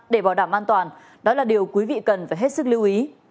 để bảo đảm an toàn đó là điều quý vị cần phải hết sức lưu ý